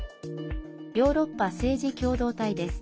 ヨーロッパ政治共同体です。